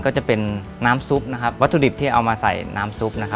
ก็จะเป็นน้ำซุปวัตถุดิบที่เอามาใส่น้ำซุป